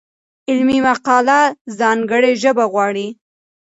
علمي مقاله ځانګړې ژبه غواړي.